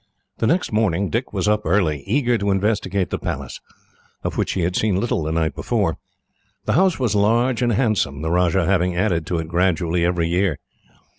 The next morning Dick was up early, eager to investigate the palace, of which he had seen little the night before. The house was large and handsome, the Rajah having added to it gradually, every year.